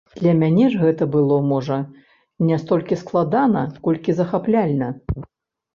Для мяне ж гэта было, можа, не столькі складана, колькі захапляльна.